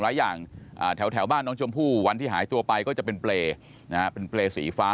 หลายอย่างแถวบ้านน้องชมพู่วันที่หายตัวไปก็จะเป็นเปรย์เป็นเปรย์สีฟ้า